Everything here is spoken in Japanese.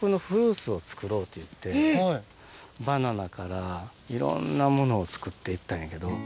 バナナからいろんなものを作って行ったんやけど。